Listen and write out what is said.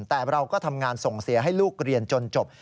แต่เราก็ทำงานส่งเสียให้ลูกเรียนจนจบ